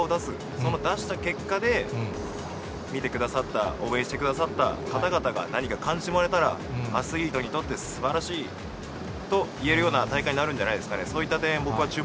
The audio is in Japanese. その出した結果で見てくださった、応援してくださった方々が何か感じてもらえたら、アスリートにとってすばらしいと言えるような大会になるんじゃないですかね。